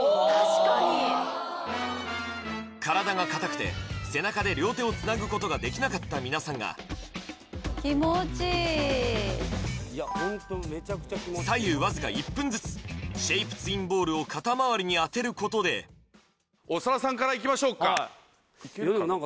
確かに体が硬くて背中で両手をつなぐことができなかったみなさんが気持ちいいホントめちゃくちゃ気持ちいい左右わずか１分ずつシェイプツインボールを肩周りにあてることで長田さんからいきましょうかいけるかな